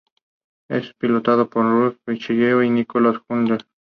Es la sobrina y aprendiz del archienemigo de Gwen Tennyson, Hex.